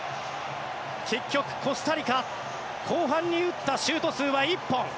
結局、コスタリカ後半に打ったシュート数は１本。